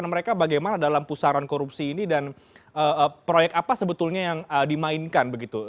mereka bagaimana dalam pusaran korupsi ini dan proyek apa sebetulnya yang dimainkan begitu